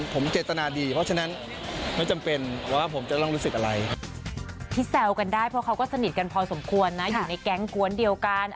เพราะฉะนั้นและผมเจตนาดี